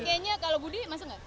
kayaknya kalau budi masuk nggak